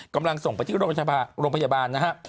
กำลังส่งไปที่โรงพยาบาลนะฮะ